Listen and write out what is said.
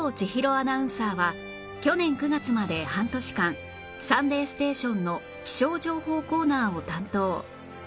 アナウンサーは去年９月まで半年間『サンデーステーション』の気象情報コーナーを担当